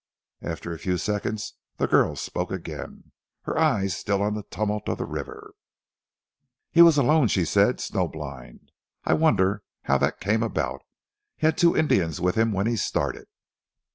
After a few seconds the girl spoke again, her eyes still on the tumult of the river. "He was alone," she said, "Snow blind! I wonder how that came about. He had two Indians with him when he started."